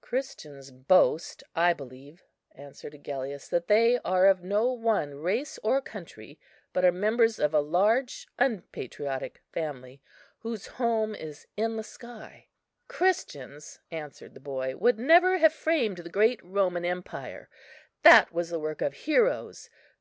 "Christians boast, I believe," answered Agellius, "that they are of no one race or country, but are members of a large unpatriotic family, whose home is in the sky." "Christians," answered the boy, "would never have framed the great Roman empire; that was the work of heroes.